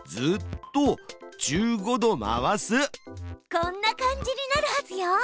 こんな感じになるはずよ。